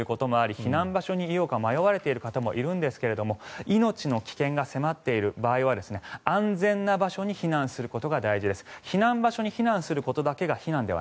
避難場所にいようか迷われている方もいるんですが命の危険が迫っている場合は安全な場所に避難することが大事です。